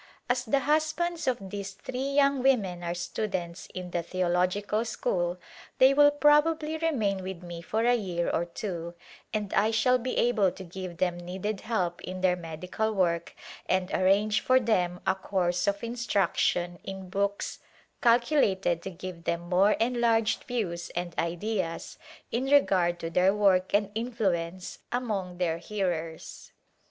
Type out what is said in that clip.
As the husbands of these three young women are students in the theological school they will probably remain with me for a year or two and I shall be able to give them needed help in their medical work and arrange for them a course of instruction in books calculated to give them more enlarged views and ideas in regard to their work and influence among their hearers.